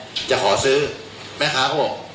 แล้วก็มีพยานคนหนึ่งซึ่งเป็นข่าวประจำของแม่ค้านะครับ